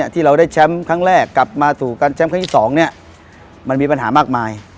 ที่เราได้แชมป์ครั้งแรกกลับมาสู่การแชมป์ครั้งที่๒มันมีปัญหามากมาย